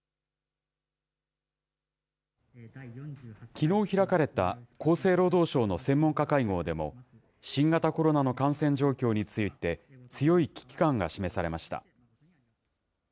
きのう開かれた厚生労働省の専門家会合でも、新型コロナの感染状況について、強い危機感が示されました。